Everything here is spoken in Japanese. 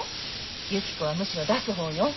ゆき子はむしろ出す方よ。